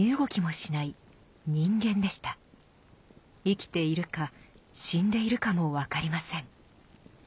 生きているか死んでいるかも分かりません。